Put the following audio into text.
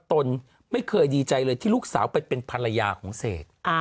ตนไม่เคยดีใจเลยที่ลูกสาวไปเป็นภรรยาของเสก